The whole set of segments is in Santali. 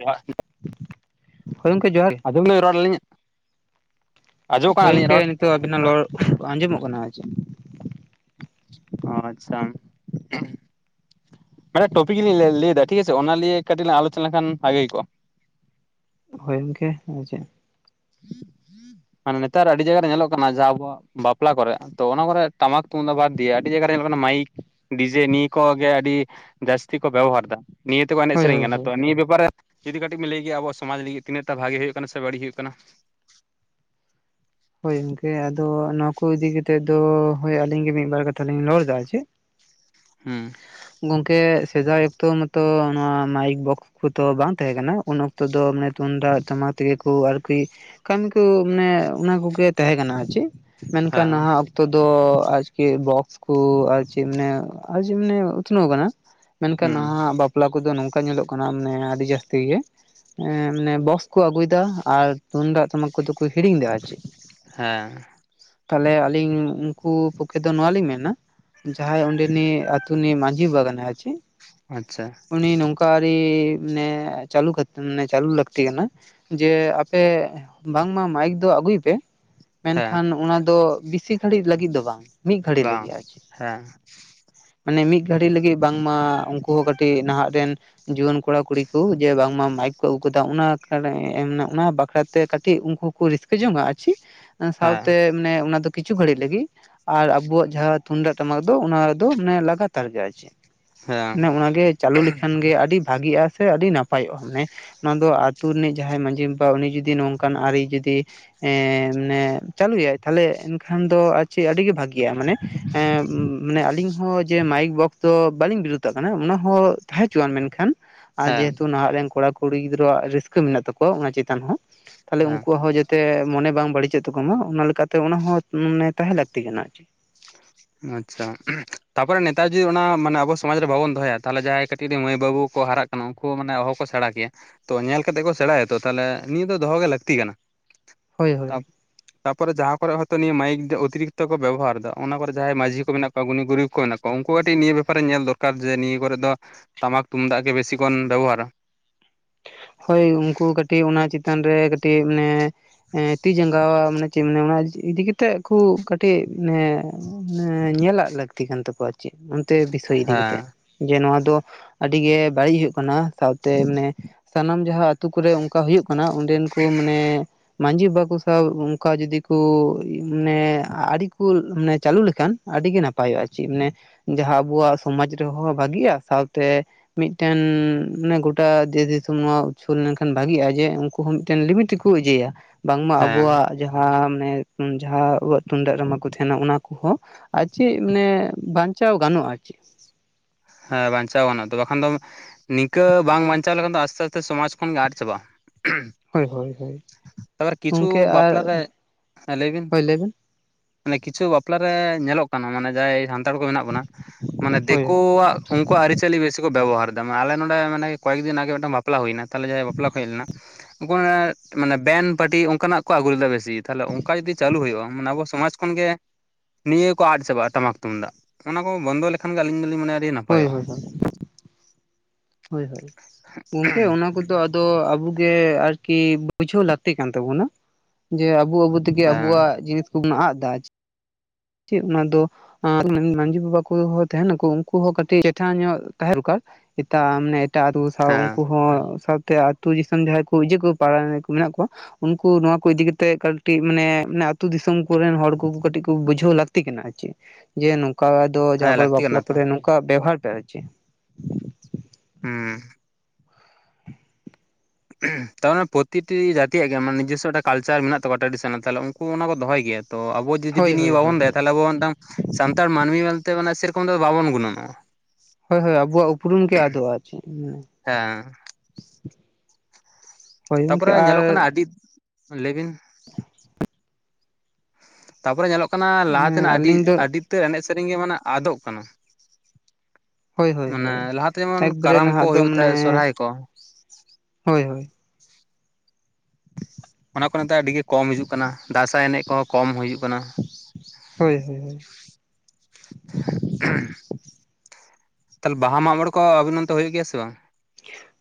ᱡᱟᱦᱟᱸ [inaudible] ᱦᱳᱭ ᱜᱚᱝᱠᱮ ᱡᱚᱦᱟᱨ᱾ ᱟᱫᱚᱞᱤᱧ ᱨᱚᱲ ᱞᱤᱧ [inaudible] ᱦᱳᱭ ᱜᱚᱝᱠᱮ ᱨᱚᱲ ᱱᱤᱛᱚᱜ ᱟᱵᱤᱱᱟᱜ ᱨᱚᱲ ᱟᱸᱡᱚᱢᱚᱜ ᱠᱟᱱᱟ ᱟᱨ ᱪᱮᱫ᱾ ᱚ ᱟᱪᱪᱷᱟ᱾ ᱢᱤᱫᱴᱟᱝ ᱴᱚᱯᱤᱠ ᱞᱤᱧ ᱞᱟᱹᱭᱫᱟ ᱴᱷᱤᱠ ᱟᱪᱷᱮ ᱚᱱᱟ ᱞᱤᱭᱮ ᱠᱟᱹᱴᱤᱡ ᱞᱟᱝ ᱟᱞᱚᱪᱚᱱᱟ ᱞᱮᱠᱷᱟᱱ ᱵᱷᱟᱜᱮ ᱠᱚᱜ-ᱟ᱾ ᱦᱳᱭ ᱜᱚᱝᱠᱮ ᱟᱨ ᱪᱮᱫ᱾ [unintelligible] ᱢᱟᱱᱮ ᱱᱮᱛᱟᱨ ᱟᱰᱤ ᱡᱟᱭᱜᱟ ᱨᱮ ᱧᱮᱞᱚᱜ ᱠᱟᱱᱟ ᱡᱟ ᱟᱵᱚᱣᱟᱜ᱾ ᱵᱟᱯᱞᱟ ᱠᱚᱨᱮ ᱛᱚ ᱚᱱᱟ ᱠᱚᱨᱮ ᱛᱟᱢᱟᱠ ᱛᱩᱢᱫᱟᱜ ᱵᱟᱫ ᱫᱤᱭᱮ ᱟᱹᱰᱤ ᱡᱟᱭᱜᱟ ᱨᱮ ᱧᱮᱞᱚᱜ ᱠᱟᱱᱟ ᱢᱟᱭᱤᱠ, ᱰᱤᱡᱮ ᱱᱤᱭᱟᱹ ᱠᱚᱜᱮ ᱟᱹᱰᱤ ᱡᱟᱥᱛᱤ ᱠᱚ ᱵᱮᱵᱚᱦᱟᱨ ᱫᱟ ᱱᱤᱭᱟᱹ ᱛᱮᱠᱚ ᱮᱱᱮᱡ ᱦᱳᱭ ᱥᱮᱨᱮᱧ ᱦᱳᱭ ᱠᱟᱱᱟ ᱦᱳᱭ ᱛᱚ ᱱᱤᱭᱟᱹ ᱵᱮᱯᱟᱨ ᱨᱮᱼᱼ ᱡᱩᱫᱤ ᱠᱟᱹᱴᱤᱡ ᱵᱤᱱ ᱞᱟᱹᱭᱠᱮᱭᱟ ᱟᱵᱚᱣᱟᱜ ᱥᱚᱢᱟᱡᱽ ᱞᱟᱜᱤᱫ ᱛᱤᱱᱟᱹᱜ ᱴᱟ ᱵᱷᱟᱜᱮ ᱦᱩᱭᱩᱜ ᱠᱟᱱᱟ ᱥᱮ ᱵᱟᱹᱲᱤᱡ ᱦᱩᱭᱩᱜ ᱠᱟᱱᱟ᱾ ᱦᱳᱭ ᱜᱚᱝᱠᱮ ᱟᱫᱚ ᱱᱚᱣᱟ ᱠᱚ ᱤᱫᱤ ᱠᱟᱛᱮᱫ ᱫᱚ ᱦᱳᱭ ᱟᱹᱞᱤᱧ ᱜᱮ ᱢᱤᱫ ᱵᱟᱨ ᱠᱟᱛᱷᱟ ᱞᱤᱧ ᱨᱚᱲ ᱫᱟ ᱪᱮᱜ᱾ [unintelligible] ᱦᱩᱸ ᱜᱚᱝᱠᱮ ᱥᱮᱫᱟᱭ ᱚᱠᱛᱚ ᱢᱟᱛᱚ ᱱᱚᱣᱟ ᱢᱟᱭᱤᱠ ᱵᱚᱠᱥᱼᱼ ᱠᱩ ᱛᱚ ᱵᱟᱝ ᱛᱟᱦᱮᱸ ᱠᱟᱱᱟ ᱩᱱ ᱚᱠᱛᱚ ᱫᱚ ᱢᱟᱱᱮ ᱛᱩᱢᱫᱟᱜ ᱴᱟᱢᱟᱠ ᱛᱮᱜᱮ ᱠᱩ ᱟᱨᱠᱤ ᱾ ᱠᱟᱹᱢᱤ ᱠᱚ ᱢᱟᱱᱮ ᱩᱱᱟ ᱠᱚᱜᱮ ᱛᱟᱦᱮᱸ ᱠᱟᱱᱟ ᱟᱨ ᱪᱮ ᱢᱮᱱᱠᱷᱟᱱ ᱦᱮᱸ ᱱᱟᱦᱟᱜ ᱛᱚ ᱫᱚ ᱟᱨ ᱟᱡᱠᱮ ᱵᱚᱠᱥ ᱠᱩ ᱟᱨ ᱪᱮᱫ ᱢᱟᱱᱮ ᱟᱨ ᱡᱮ ᱢᱟᱱᱮ ᱩᱛᱱᱟᱹᱣ ᱠᱟᱱᱟ ᱾ ᱢᱮᱱᱠᱷᱟᱱ ᱦᱩᱸ ᱱᱟᱦᱟᱜ ᱵᱟᱯᱞᱟ ᱠᱚᱫᱚ ᱱᱩᱝᱠᱟ ᱧᱮᱞᱚᱜ ᱠᱟᱱᱟ ᱢᱟᱱᱮ ᱟᱹᱰᱤ ᱡᱟᱹᱥᱛᱤ ᱜᱮ ᱾ ᱮᱻ ᱢᱟᱱᱮ ᱵᱚᱠᱥ ᱠᱚ ᱟᱹᱜᱩᱭᱮᱫᱟ ᱟᱨ ᱛᱩᱢᱫᱟᱜ ᱴᱟᱢᱟᱠ ᱠᱚᱫᱚ ᱠᱚ ᱦᱤᱲᱤᱧ ᱫᱟ ᱟᱨ ᱪᱮ ᱾ ᱦᱮᱸ ᱛᱟᱦᱞᱮ ᱟᱹᱞᱤᱧ ᱩᱱᱠᱩ ᱯᱚᱠᱠᱷᱮ ᱫᱚ ᱱᱚᱣᱟ ᱞᱤᱧ ᱢᱮᱱᱟ ᱡᱟᱦᱟᱸᱭ ᱚᱸᱰᱮᱱᱤᱡ ᱟᱹᱛᱩ ᱱᱤᱡ ᱢᱟᱺᱡᱷᱤ ᱵᱟᱰᱱᱟᱭ ᱪᱮ ᱟᱪᱪᱷᱟ, ᱩᱱᱤ ᱱᱚᱝᱠᱟ ᱟᱨᱤ ᱢᱟᱱᱮ ᱪᱟᱞᱩ ᱠᱟᱛ ᱢᱟᱱᱮ ᱪᱟᱞᱩ ᱞᱟᱹᱠᱛᱤ ᱠᱟᱱᱟ ᱾ ᱡᱮ ᱟᱯᱮ ᱵᱟᱝᱢᱟ ᱢᱟᱭᱤᱠ ᱫᱚ ᱟᱹᱜᱩᱭ ᱯᱮ ᱾ ᱦᱮᱸ ᱢᱮᱱᱠᱷᱟᱱ ᱚᱱᱟ ᱫᱚ ᱵᱮᱥᱤ ᱜᱷᱟᱹᱲᱤᱡ ᱞᱟᱹᱜᱤᱫ ᱫᱚ ᱵᱟᱝ ᱢᱤᱫ ᱜᱷᱟᱹᱲᱤᱡ ᱵᱟᱝ ᱞᱟᱹᱜᱤᱫ ᱟᱨ ᱪᱮᱫ ᱾ ᱦᱮᱸ ᱢᱟᱱᱮ ᱢᱤᱫ ᱜᱷᱟᱹᱲᱤᱡ ᱞᱟᱹᱜᱤᱫ ᱵᱟᱝᱢᱟ ᱩᱱᱠᱩ ᱦᱚᱸ ᱠᱟᱹᱴᱤᱡ ᱱᱟᱦᱟᱜ ᱨᱮᱱ ᱾ ᱡᱩᱣᱟᱹᱱ ᱠᱚᱲᱟ ᱠᱩᱲᱤ ᱠᱚ ᱡᱮ ᱵᱟᱝᱢᱟ ᱢᱟᱭᱤᱠ ᱠᱚ ᱟᱹᱜᱩ ᱠᱟᱫᱟ ᱩᱱᱟ ᱟᱠᱟᱲᱟᱨᱮ ᱮᱢ ᱱᱟᱜ ᱩᱱᱟ ᱵᱟᱠᱷᱨᱟᱛ ᱾ ᱛᱮ ᱠᱟᱹᱴᱤᱡ ᱩᱱᱠᱩ ᱠᱩ ᱨᱟᱹᱥᱠᱟᱹ ᱡᱚᱝ-ᱟ ᱟᱨ ᱪᱤ ᱦᱮᱸ ᱥᱟᱶᱛᱮ ᱢᱟᱱᱮ ᱚᱱᱟ ᱫᱚ ᱠᱤᱪᱷᱩ ᱜᱷᱟᱹᱲᱤᱡ ᱞᱟᱹᱜᱤᱫ ᱾ ᱟᱨ ᱟᱵᱩᱣᱟᱜ ᱡᱟᱦᱟᱸ ᱛᱩᱢᱫᱟᱜ ᱴᱟᱢᱟᱠ ᱫᱚ ᱚᱱᱟ ᱫᱚ ᱢᱟᱱᱮ ᱞᱟᱜᱟᱛᱟᱨ ᱜᱮ ᱟᱨ ᱪᱮ ᱦᱮᱸ ᱚᱱᱮ ᱩᱱᱟᱜᱮ ᱾ ᱪᱟᱹᱞᱩ ᱞᱮᱠᱷᱟᱱ ᱜᱮ ᱟᱹᱰᱤ ᱵᱷᱟᱜᱤᱜ-ᱟ ᱥᱮ ᱟᱹᱰᱤ ᱱᱟᱯᱟᱭᱚᱜ-ᱟ ᱢᱟᱱᱮ ᱱᱚᱣᱟ ᱫᱚ ᱟᱹᱛᱩ ᱨᱤᱱᱤᱡ ᱡᱟᱦᱟᱸᱭ ᱢᱟᱺᱡᱷᱤ ᱾ ᱵᱟ ᱩᱱᱤ ᱡᱩᱫᱤ ᱱᱚᱝᱠᱟᱱ ᱟᱹᱨᱤ ᱡᱩᱫᱤ ᱮᱸᱻ ᱱᱮ ᱪᱟᱹᱞᱩᱭᱟᱭ ᱛᱷᱟᱞᱮ ᱮᱱᱠᱷᱟᱱ ᱫᱚ ᱟᱨ ᱪᱮᱜ ᱟᱹᱰᱤᱜᱤ ᱵᱷᱟᱜᱤᱼᱟ ᱢᱟᱱᱮ ᱮᱻ ᱢᱟᱱᱮ ᱟᱹᱞᱤᱧ ᱦᱚᱸ ᱡᱮ ᱢᱟᱭᱤᱠ ᱵᱚᱠᱛᱚ ᱵᱟᱞᱤᱧ ᱵᱤᱨᱩᱫᱟᱜ ᱠᱟᱱᱟ ᱚᱱᱟ ᱦᱚᱸ ᱛᱟᱦᱮᱸ ᱦᱚᱪᱩᱣᱟᱱ ᱢᱮᱱᱠᱷᱟᱱ ᱟᱸ ᱦᱮᱸ ᱡᱮᱦᱮᱛᱩ ᱱᱟᱦᱟᱜ ᱨᱮᱱ ᱠᱩᱲᱟ ᱠᱩᱲᱤ ᱜᱤᱫᱽᱨᱟᱹᱣᱟᱜ ᱨᱟᱹᱥᱠᱟᱹ ᱢᱮᱱᱟᱜ ᱛᱟᱠᱚᱣᱟ ᱚᱱᱟ ᱪᱮᱛᱟᱱ ᱦᱚᱸ ᱾ ᱛᱷᱟᱞᱮ ᱦᱮᱸ ᱩᱱᱠᱩᱣᱟᱜ ᱦᱚᱸ ᱡᱟᱛᱮ ᱢᱚᱱᱮ ᱵᱟᱝ ᱵᱟᱹᱲᱤᱡ ᱾ ᱪᱮᱜ ᱛᱟᱠᱚᱢᱟ ᱩᱱᱟ ᱞᱮᱠᱟᱛᱮ ᱩᱱᱟ ᱦᱚᱸ ᱢᱟᱱᱮ ᱛᱟᱦᱮᱸ ᱞᱟᱹᱠᱛᱤ ᱠᱟᱱᱟ ᱟᱨ ᱪᱤ ᱾ ᱟᱪᱪᱷᱟ ᱛᱟᱯᱚᱨᱮ ᱱᱮᱛᱟᱨ ᱡᱩᱫᱤ ᱚᱱᱟ ᱢᱟᱱᱮ ᱟᱵᱚ ᱥᱚᱢᱟᱡ ᱨᱮ ᱵᱟᱵᱩᱱ ᱫᱚᱦᱚᱭᱟ ᱛᱟᱦᱟᱞᱮ ᱡᱟᱦᱟᱸᱭ ᱠᱟᱹᱴᱤᱡ ᱠᱟᱹᱴᱤᱡ ᱢᱟᱹᱭ ᱵᱟᱹᱵᱩ ᱠᱚ ᱦᱟᱨᱟᱜ ᱠᱟᱱᱟ ᱩᱱᱠᱩ ᱦᱚᱸ ᱢᱟᱱᱮ ᱚᱦᱚ ᱠᱚ ᱥᱮᱬᱟ ᱠᱮᱭᱟ ᱾ ᱛᱚ ᱧᱮᱞ ᱠᱟᱛᱮᱜ ᱠᱚ ᱥᱮᱬᱟᱭᱟᱛᱚ ᱛᱟᱦᱞᱮ ᱱᱤᱭᱟᱹ ᱫᱚ ᱫᱚᱦᱚ ᱜᱮ ᱞᱟᱹᱠᱛᱤ ᱠᱟᱱᱟ ᱦᱳᱭ ᱦᱳᱭ ᱾ ᱛᱟᱯᱚᱨᱮ ᱡᱟᱦᱟᱸ ᱠᱚᱨᱮ ᱦᱚᱭᱛᱳ ᱱᱤᱭᱟᱹ ᱢᱟᱭᱤᱠ ᱚᱛᱤᱨᱤᱠᱛᱚ ᱠᱚ ᱵᱮᱵᱚᱦᱟᱨᱫᱟ ᱚᱱᱟ ᱠᱚᱨᱮ ᱾ ᱡᱟᱦᱟᱸᱭ ᱢᱟᱹᱡᱷᱤ ᱠᱚ ᱢᱮᱱᱟᱜ ᱠᱚᱣᱟ ᱜᱩᱱᱤ ᱜᱩᱨᱤᱵᱽ ᱠᱚ ᱢᱮᱱᱟᱜ ᱠᱚᱣᱟ ᱩᱱᱠᱩ ᱠᱟᱹᱴᱤᱡ ᱱᱤᱭᱟᱹ ᱵᱮᱯᱟᱨᱮ ᱧᱮᱞ ᱫᱚᱨᱠᱟᱨ ᱡᱮ ᱱᱤᱭᱟᱹ ᱠᱚᱨᱮᱜ ᱫᱚ ᱾ ᱴᱟᱢᱟᱠ ᱛᱩᱢᱫᱟᱜ ᱜᱮ ᱵᱮᱥᱤ ᱠᱷᱚᱱ ᱵᱮᱵᱚᱦᱟᱨᱟ ᱾ ᱦᱳᱭ ᱩᱱᱠᱩ ᱠᱟᱹᱴᱤᱡ ᱩᱱᱟ ᱪᱮᱛᱟᱱᱨᱮ ᱠᱟᱹᱴᱤᱡ ᱢᱟᱱᱮ ᱮᱸ ᱛᱤ ᱡᱟᱸᱜᱟ ᱢᱟᱱᱮ [unintelligible] ᱤᱫᱤ ᱠᱟᱛᱮᱜ ᱾ ᱠᱩᱜ ᱠᱟᱹᱴᱤᱜ ᱢᱟᱱᱮ ᱧᱮᱞᱟᱜ ᱞᱟᱹᱠᱛᱤ ᱠᱟᱱ ᱛᱟᱠᱚᱣᱟ ᱪᱮᱜ ᱛᱮ ᱵᱤᱥᱚᱭ ᱤᱫᱤ ᱠᱟᱛᱮᱜ ᱦᱮᱸ ᱡᱮ ᱱᱚᱣᱟ ᱫᱚ ᱟᱹᱰᱤ ᱜᱮ ᱵᱟᱹᱲᱤᱡ ᱦᱩᱭᱩᱜ ᱠᱟᱱᱟ ᱥᱟᱶᱛᱮ ᱢᱟᱱᱮ ᱥᱟᱱᱟᱢ ᱡᱟᱦᱟᱸ ᱟᱛᱳ ᱠᱚᱨᱮ ᱚᱝᱠᱟ ᱦᱩᱭᱩᱜ ᱠᱟᱱᱟᱸ ᱚᱸᱰᱮᱱ ᱠᱩ ᱢᱟᱱᱮ ᱾ ᱢᱟᱹᱡᱷᱤ ᱵᱟ ᱠᱩ ᱥᱟᱶ ᱚᱝᱠᱟ ᱡᱩᱫᱤ ᱠᱩ ᱢᱟᱱᱮ ᱟᱲᱤ ᱠᱩ ᱢᱟᱱᱮ ᱪᱟᱞᱩ ᱞᱮᱠᱷᱟᱱ ᱾ ᱟᱹᱰᱤ ᱜᱮ ᱱᱟᱯᱟᱭᱚᱜᱼᱟ ᱪᱮᱜ ᱢᱟᱱᱮ ᱡᱟᱦᱟ ᱟᱵᱚᱣᱟᱜ ᱥᱚᱢᱟᱡᱽ ᱨᱮᱦᱚᱸ ᱵᱷᱟᱜᱤᱜᱼᱟ ᱥᱟᱶᱛᱮ ᱢᱤᱫᱴᱮᱱ ᱢᱟᱱᱮ ᱜᱚᱴᱟ [unintelligible] ᱱᱚᱣᱟ ᱩᱪᱷᱟᱹᱱ ᱞᱮᱱᱠᱷᱟᱡ ᱵᱷᱟᱜᱤᱜᱼᱟ ᱡᱮ ᱩᱱᱠᱩ ᱦᱚᱸ ᱢᱤᱫᱴᱮᱱ ᱞᱤᱢᱤᱴ ᱨᱮᱠᱚ ᱤᱡᱮᱭᱟ ᱵᱟᱝ ᱢᱟ ᱦᱮᱸ ᱟᱵᱚᱣᱟᱜ ᱾ ᱡᱟᱦᱟᱸ ᱢᱟᱱᱮ ᱡᱟᱦᱟᱸ ᱩᱣᱟᱜ ᱛᱩᱢᱫᱟᱜ ᱨᱮᱢᱟ ᱠᱚ ᱛᱟᱦᱮᱱᱟ ᱚᱱᱟ ᱠᱚᱦᱚᱸ᱾ ᱟᱨ ᱪᱮᱜ ᱢᱟᱱᱮ ᱵᱟᱧᱪᱟᱣ ᱜᱟᱱᱚᱜᱼᱟ ᱟᱨ ᱪᱮᱜ᱾ ᱦᱮᱸ ᱵᱟᱧᱪᱟᱣ ᱜᱟᱱᱚᱜᱼᱟ ᱛᱚ ᱵᱟᱠᱷᱟᱱ ᱫᱚ ᱱᱤᱝᱠᱟᱹ ᱵᱟᱝ ᱵᱟᱧᱪᱟᱣ ᱞᱮᱠᱷᱟᱱ ᱫᱚ ᱟᱥᱛᱮ - ᱟᱥᱛᱮ ᱥᱚᱢᱟᱡᱽ ᱠᱷᱚᱱ ᱜᱮ ᱟᱫ ᱪᱟᱵᱟᱜᱼᱟ ᱦᱳᱭ ᱦᱳᱭ ᱦᱳᱭ ᱾ ᱟᱵᱟᱨ ᱠᱤᱪᱷᱩ ᱜᱚᱝᱠᱮ ᱵᱟᱯᱞᱟ ᱟᱨ ᱨᱮᱜ ᱞᱟᱹᱭ ᱵᱤᱱ ᱾ ᱦᱳᱭ ᱵᱮᱱ ᱢᱟᱱᱮ ᱠᱤᱪᱷᱩ ᱵᱟᱯᱞᱟᱨᱮ ᱧᱮᱞᱚᱜ ᱠᱟᱱᱟ ᱢᱟᱱᱮ ᱡᱟᱦᱟᱸᱭ ᱥᱟᱱᱛᱟᱲ ᱠᱚ ᱢᱮᱱᱟᱜ ᱵᱚᱱᱟ ᱢᱟᱱᱮ ᱦᱳᱭ ᱫᱮᱠᱩᱣᱟᱜ ᱾ ᱩᱱᱠᱩᱣᱟᱜ ᱟᱹᱨᱤ - ᱪᱟᱹᱞᱤ ᱵᱤᱥᱤ ᱠᱚ ᱵᱮᱵᱚᱦᱟᱨ ᱫᱟ ᱢᱟᱱᱮ ᱟᱞᱮ ᱱᱚᱰᱮ ᱢᱟᱱᱮ ᱠᱚᱭᱮᱠ ᱫᱤᱱ ᱟᱜᱮ ᱢᱤᱫᱴᱟᱝ ᱵᱟᱯᱞᱟ ᱦᱩᱭᱱᱟ ᱾ ᱛᱟᱦᱞᱮ ᱡᱟᱦᱟᱸᱭ ᱵᱟᱯᱞᱟ ᱠᱚ ᱦᱮᱡ ᱞᱮᱱᱟ? ᱩᱱᱠᱩ ᱚᱱᱮ ᱢᱟᱱᱮ ᱵᱮᱱ ᱯᱟᱴᱤ ᱚᱝᱠᱟ ᱱᱟᱜ ᱠᱚ ᱟᱜᱩ ᱞᱮᱫᱟ ᱵᱮᱥᱤ ᱛᱟᱦᱞᱮ ᱚᱝᱠᱟ ᱡᱩᱫᱤ ᱪᱟᱞᱩ ᱦᱩᱭᱩᱜᱼᱟ ᱢᱟᱱᱮ ᱟᱵᱚ ᱥᱚᱢᱟᱡᱽ ᱠᱷᱚᱱ ᱜᱮ ᱱᱤᱭᱟᱹ ᱠᱚ ᱟᱫ ᱪᱟᱵᱟᱜᱼᱟ ᱴᱟᱢᱟᱠ ᱛᱩᱢᱫᱟᱜ ᱚᱱᱟ ᱠᱚ ᱵᱚᱱᱫᱚ ᱞᱮᱠᱷᱟᱱ ᱜᱮ ᱟᱞᱤᱧ ᱢᱟᱞᱤᱧ ᱢᱚᱱᱮᱭᱟ ᱟᱰᱤ ᱱᱟᱯ ᱦᱳᱭ ᱦᱳᱭ ᱦᱳᱭ ᱦᱳᱭ ᱦᱳᱭ ᱜᱚᱝᱠᱮ ᱚᱱᱟ ᱠᱚ ᱫᱚ ᱟᱵᱩ ᱜᱮ ᱟᱨᱠᱤ ᱵᱩᱡᱷᱟᱹᱣ ᱞᱟᱹᱛᱤ ᱠᱟᱱ ᱛᱟᱵᱩᱱᱟ ᱡᱮ ᱟᱵᱩ - ᱟᱵᱩ ᱫᱚ ᱛᱮᱜᱮ ᱦᱮᱸ ᱟᱵᱚᱣᱟᱜ ᱡᱤᱱᱤᱥ ᱠᱚᱵᱚᱱ ᱟᱜ ᱮᱫᱟ ᱪᱮᱜ ᱚᱱᱟ ᱫᱚ ᱦᱟᱸ ᱢᱟᱹᱡᱷᱤ ᱵᱟᱵᱟ ᱠᱚᱦᱚᱸ ᱛᱟᱦᱮᱸᱱᱟᱠᱚ ᱩᱱᱠᱩ ᱦᱚᱸ ᱠᱟᱹᱴᱤᱜ ᱪᱮᱴᱷᱟ ᱧᱚᱜ ᱛᱟᱦᱮᱸ ᱫᱚᱨᱠᱟᱨ᱾ ᱛᱟ ᱢᱟᱱᱮ ᱮᱴᱟᱜ ᱟᱛᱩ ᱥᱟᱶ ᱦᱮᱸ ᱩᱱᱠᱩ ᱦᱚᱸ ᱥᱟᱶᱛᱮ ᱟᱛᱩ ᱫᱤᱥᱚᱢ ᱡᱟᱦᱟᱸᱭ ᱠᱚ ᱤᱡᱟᱹᱜ ᱠᱚ ᱯᱟᱲᱟᱣ ᱧᱚᱜ ᱠᱚ ᱢᱮᱱᱟᱜ ᱠᱚᱣᱟ᱾ ᱩᱱᱠᱩ ᱱᱚᱣᱟ ᱠᱚ ᱤᱫᱤ ᱠᱟᱛᱮᱜ ᱠᱟᱹᱴᱤᱡ ᱢᱟᱱᱮ ᱟᱹᱛᱩ ᱫᱤᱥᱚᱢ ᱠᱚᱨᱮᱱ ᱦᱚᱲ ᱠᱚ ᱠᱟᱹᱴᱤᱡ ᱠᱚ ᱵᱩᱡᱷᱟᱹᱣ ᱞᱟᱹᱠᱛᱤ ᱠᱟᱱᱟ ᱟᱨ ᱪᱮᱫ ᱡᱮ ᱱᱚᱝᱠᱟ ᱫᱚ ᱦᱮᱸ ᱡᱟᱦᱟᱸ ᱠᱚᱨᱮ ᱞᱟᱹᱠᱛᱤ ᱠᱟᱱᱟ ᱵᱟᱯᱞᱟ ᱛᱚ ᱠᱚᱨᱮ ᱱᱚᱝᱠᱟ ᱵᱮᱵᱚᱦᱟᱨ ᱴᱟ ᱫᱚ ᱪᱮᱫ ᱾ ᱦᱩᱸ ᱛᱟᱨ ᱢᱟᱱᱮ ᱯᱨᱚᱛᱤ ᱴᱤ ᱜᱮ ᱡᱟᱹᱛᱤᱭᱟᱜ ᱜᱮ ᱢᱟᱱᱮ ᱱᱤᱡᱤᱥᱚ ᱴᱟ ᱠᱟᱞᱪᱟᱨ ᱢᱮᱱᱟᱜ ᱛᱟᱠᱚᱣᱟ ᱴᱨᱟᱰᱤᱥᱚᱱᱟᱞ ᱛᱟᱦᱞᱮ ᱩᱱᱠᱩ ᱩᱱᱠᱩ ᱚᱱᱟ ᱠᱚ ᱫᱚᱦᱚᱭ ᱜᱮᱭᱟ ᱛᱚ ᱟᱵᱩᱡ ᱡᱩᱫᱤ ᱦᱳᱭ ᱦᱳᱭ ᱱᱤᱭᱟᱹ ᱦᱳᱭ ᱵᱟᱵᱚᱱ ᱫᱚᱦᱚᱭᱟ ᱛᱟᱦᱞᱮ ᱟᱵᱚ ᱢᱤᱫᱴᱟᱱ ᱥᱟᱱᱛᱟᱲ ᱢᱟᱹᱱᱢᱤ ᱢᱮᱱ ᱛᱮ ᱢᱟᱱᱮ ᱥᱮᱨᱚᱠᱚᱢ ᱫᱚ ᱵᱟᱵᱚᱱ ᱜᱩᱱᱚᱹᱱᱚᱜᱼᱟ᱾ ᱦᱳᱭ ᱦᱳᱭ ᱟᱵᱚᱣᱟᱜ ᱩᱯᱨᱩᱢ ᱜᱮ ᱟᱫᱚᱜᱼᱟ ᱟᱨ ᱪᱮᱫ ᱦᱮᱸ ᱦᱮᱸ ᱜᱚᱝᱠᱮ ᱛᱟᱯᱚᱨᱮ ᱟᱨ ᱧᱮᱞᱚᱜ ᱠᱟᱱᱟ ᱟᱹᱰᱤᱫ ᱞᱟᱹᱭ ᱵᱤᱱ [inaudible] ᱛᱟᱯᱚᱨᱮ ᱧᱮᱞᱚᱜ ᱠᱟᱱᱟ ᱞᱟᱦᱟ ᱛᱮᱱᱟᱜ ᱟᱹᱰᱤ ᱟᱹᱞᱤᱧ ᱫᱚ ᱟᱹᱰᱤ ᱛᱮ ᱮᱱᱮᱡ ᱥᱮᱨᱮᱧ ᱜᱮ ᱢᱟᱱᱮ ᱟᱫᱚᱜ ᱠᱟᱱᱟ᱾ ᱦᱳᱭ ᱦᱳᱭ ᱢᱟᱱᱮ ᱦᱳᱭ ᱞᱟᱦᱟ ᱛᱮ ᱡᱮᱢᱚᱱ ᱮᱠᱵᱟᱨᱮ ᱠᱟᱨᱟᱢ ᱠᱚ ᱱᱟᱦᱟᱜ ᱫᱚ ᱦᱩᱭᱩᱜ ᱛᱟᱦᱮᱸᱜ ᱢᱟᱱᱮ ᱥᱚᱨᱦᱟᱭ ᱠᱚ᱾ ᱦᱳᱭ ᱦᱳᱭ ᱚᱱᱟ ᱠᱚᱨᱮ ᱫᱚ ᱟᱹᱰᱤ ᱜᱮ ᱠᱚᱢ ᱦᱤᱡᱩᱜ ᱠᱟᱱᱟ ᱫᱟᱸᱥᱟᱭ ᱮᱱᱮᱡ ᱠᱚᱦᱚᱸ ᱠᱚᱢ ᱦᱩᱭᱩᱜ ᱠᱟᱱᱟ᱾ ᱦᱳᱭ ᱦᱳᱭ ᱦᱳᱭ [inaudible] ᱛᱟᱦᱞᱮ ᱵᱟᱦᱟ ᱢᱟᱜ ᱢᱚᱬᱮ ᱠᱚ ᱚᱵᱤᱱ ᱚᱱᱛᱮ ᱦᱩᱭᱩᱜ ᱜᱮᱭᱟ ᱥᱮ ᱵᱟᱝᱟ?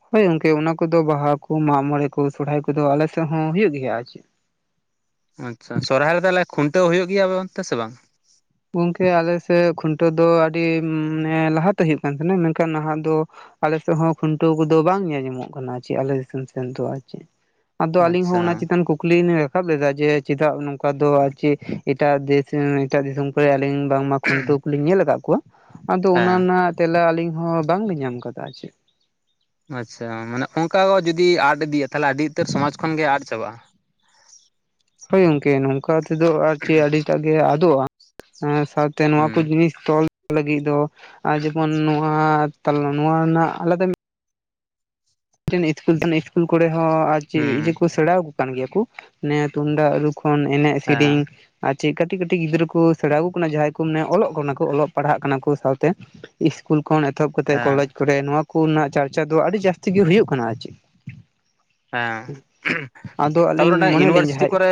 ᱦᱳᱭ ᱜᱚᱝᱠᱮ ᱚᱱᱟ ᱠᱚᱫᱚ ᱵᱟᱦᱟ ᱠᱚ ᱢᱟᱜ ᱢᱚᱬᱮ ᱠᱚ ᱥᱚᱨᱦᱟᱭ ᱠᱚᱫᱚ ᱟᱞᱮ ᱥᱮᱜ ᱦᱚᱸ ᱦᱩᱭᱩᱜ ᱜᱮᱭᱟ ᱟᱨ ᱪᱮᱫ᱾ ᱟᱪᱪᱷᱟ ᱥᱚᱨᱦᱟᱭ ᱨᱮᱫᱚ ᱛᱟᱦᱞᱮ ᱠᱷᱩᱱᱴᱟᱹᱣ ᱦᱩᱭᱩᱜ ᱜᱮᱭᱟ ᱟᱵᱮ ᱚᱱᱛᱮ ᱥᱮ ᱵᱟᱝᱟ? ᱜᱚᱝᱠᱮ ᱟᱞᱮ ᱥᱮᱜ ᱠᱷᱩᱱᱴᱟᱹᱣ ᱫᱚ ᱟᱹᱰᱤ ᱢᱟᱱᱮ ᱞᱟᱦᱟᱛᱮ ᱦᱩᱭᱩᱜ ᱠᱟᱱ ᱛᱟᱦᱮᱱᱟ ᱢᱮᱱᱠᱷᱟᱱ ᱱᱟᱦᱟᱜ ᱫᱚ ᱟᱞᱮ ᱥᱮᱜ ᱦᱚᱸ ᱠᱷᱩᱱᱴᱟᱹᱣ ᱠᱚᱫᱚ ᱵᱟᱝ ᱧᱮᱞ ᱧᱟᱢᱚᱜ ᱠᱟᱱᱟ ᱟᱨ ᱪᱮᱜ ᱟᱞᱮ ᱫᱤᱥᱚᱢ ᱥᱮᱱ ᱫᱚ ᱟᱨ ᱪᱮᱫ ᱟᱫᱚ ᱟᱹᱞᱤᱧ ᱦᱚᱸ ᱟᱪᱪᱷᱟ ᱚᱱᱟ ᱪᱮᱛᱟᱱ ᱠᱩᱠᱞᱤ [unintelligible] [unintelligible] ᱞᱮᱫᱟ ᱡᱮ ᱪᱮᱫᱟᱜ ᱱᱚᱝᱠᱟ ᱫᱚ ᱟᱨ ᱪᱮ ᱮᱴᱟᱜ ᱫᱮᱥ ᱮᱸ ᱮᱴᱟᱜ ᱫᱤᱥᱚᱢ ᱠᱚᱭᱟᱜ ᱟᱹᱞᱤᱧ ᱵᱟᱝ ᱢᱟ ᱠᱷᱩᱱᱴᱟᱹᱣ ᱠᱚ ᱞᱤᱧ ᱧᱮᱞ ᱟᱠᱟᱜ ᱠᱚᱣᱟ ᱟᱫᱚ ᱚᱱᱟ ᱦᱮᱸ ᱨᱮᱱᱟᱜ ᱛᱮᱞᱟ ᱟᱹᱞᱤᱧ ᱦᱚᱸ ᱵᱟᱝ ᱞᱤᱧ ᱧᱟᱢ ᱟᱠᱟᱫᱟ ᱟᱨ ᱪᱮᱜ ᱟᱪᱪᱷᱟ ᱢᱟᱱᱮ ᱚᱱᱠᱟ ᱠᱚ ᱡᱩᱫᱤ ᱟᱫ ᱤᱫᱤᱜᱼᱟ ᱛᱟᱦᱚᱞᱮ ᱟᱹᱰᱤ ᱩᱛᱟᱹᱨ ᱥᱚᱢᱟᱡ ᱠᱷᱚᱱ ᱜᱮ ᱟᱫ ᱪᱟᱵᱟᱜᱼᱟ᱾ ᱦᱳᱭ ᱜᱚᱝᱠᱮ ᱱᱚᱝᱠᱟ ᱛᱮᱫᱚ ᱟᱨ ᱪᱮᱫ ᱟᱹᱰᱤᱴᱟᱜ ᱜᱮ ᱟᱫᱚᱜᱼᱟ᱾ ᱥᱟᱶᱛᱮ ᱱᱚᱣᱟ ᱠᱚ ᱦᱩᱸ ᱡᱤᱱᱤᱥ ᱛᱚᱞ ᱞᱟᱹᱜᱤᱫ ᱫᱚ ᱟᱨ ᱡᱮᱢᱚᱱ ᱱᱚᱣᱟ ᱱᱚᱣᱟ [unintelligible] ᱛᱟᱞᱟ ᱱᱚᱣᱟ ᱨᱮᱱᱟᱜ ᱟᱞᱮ ᱫᱚ [inaudible] ᱤᱥᱠᱩᱞ [inaudible] ᱤᱥᱠᱩᱞ ᱠᱚᱨᱮ ᱦᱚᱸ ᱟᱨ ᱠᱤ ᱤᱭᱟ. ᱦᱩᱸ ᱠᱚ ᱥᱮᱲᱟ ᱣᱟᱠᱚ ᱠᱟᱱ ᱜᱮᱭᱟ ᱠᱚ ᱚᱱᱮ ᱛᱩᱢᱫᱟᱜᱩ ᱨᱩ ᱠᱷᱚᱱ ᱮᱱᱮᱡ ᱥᱤᱨᱤᱧ᱾ ᱦᱮᱸ ᱟᱨ ᱪᱮᱫ ᱠᱟᱹᱴᱤᱡ ᱠᱟᱹᱴᱤᱡ ᱜᱤᱫᱽᱨᱟᱹ ᱠᱚ ᱥᱮᱬᱟ ᱣᱟᱠᱚ ᱠᱟᱱᱟ ᱡᱟᱦᱟᱸᱭ ᱠᱚ ᱢᱟᱱᱮ ᱚᱞᱚᱜ ᱠᱟᱱᱟ ᱠᱚ ᱚᱞᱚᱜ ᱯᱟᱲᱦᱟᱜ ᱠᱟᱱᱟ ᱠᱚ ᱥᱟᱶᱛᱮ ᱤᱥᱠᱩᱞ ᱠᱷᱚᱱ ᱮᱛᱚᱦᱚᱵ ᱠᱟᱛᱮᱫ ᱠᱚᱞᱮᱡ ᱦᱮᱸ ᱠᱚᱨᱮ ᱱᱚᱣᱟ ᱠᱚᱨᱮᱱᱟᱜ ᱪᱟᱨᱪᱟ ᱫᱚ ᱟᱹᱰᱤ ᱡᱟᱥᱛᱤ ᱜᱮ ᱦᱩᱭᱩᱜ ᱠᱟᱱᱟ ᱟᱨ ᱪᱮᱫ ᱦᱮᱸ ᱟᱫᱚ ᱟᱹᱞᱤᱧ ᱛᱟᱯᱚᱨᱮ ᱚᱱᱟ ᱢᱚᱱᱮᱭᱟᱞᱤᱧ ᱤᱭᱩᱱᱤᱵᱷᱟᱨᱥᱤᱴᱤ ᱡᱟᱦᱟᱸᱭ ᱠᱚᱨᱮ